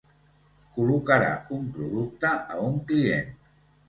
Col·locarà un producte a un client.